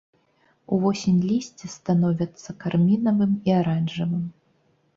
Увосень лісце становяцца кармінавым і аранжавым.